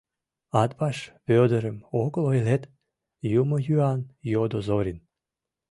— Атбаш Вӧдырым огыл ойлет? — омо юан йодо Зорин.